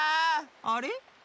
あれ？